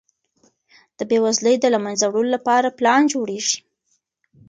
د بېوزلۍ د له منځه وړلو لپاره پلان جوړیږي.